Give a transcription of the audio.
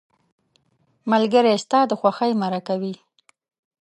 ملګری ستا د خوښۍ مرکه وي